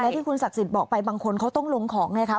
ที่คุณศักดิ์สิทธิ์บอกไปบางคนเขาต้องลงของไงคะ